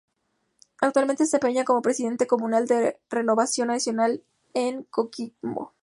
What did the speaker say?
Actualmente se desempeña como presidente comunal de Renovación Nacional en Coquimbo.